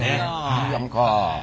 いいやんか。